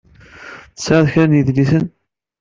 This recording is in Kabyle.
Tesɛiḍ kra n yedlisen.